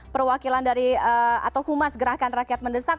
perwakilan dari atau humas gerakan rakyat mendesak